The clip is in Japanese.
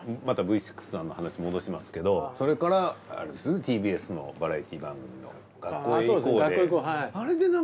またＶ６さんの話に戻しますけどそれからＴＢＳのバラエティー番組の『学校へ行こう！』で。